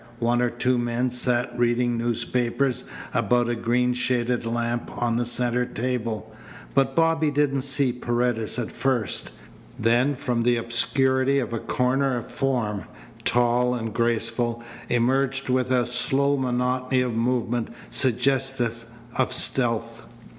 One or two men sat reading newspapers about a green shaded lamp on the centre table, but Bobby didn't see Paredes at first. Then from the obscurity of a corner a form, tall and graceful, emerged with a slow monotony of movement suggestive of stealth.